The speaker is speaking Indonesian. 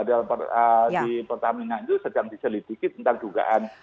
di pertamina itu sedang diselidiki tentang dugaan